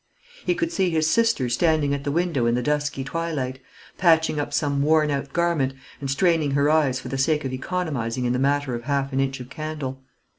He could see his sister standing at the window in the dusky twilight, patching up some worn out garment, and straining her eyes for the sake of economising in the matter of half an inch of candle.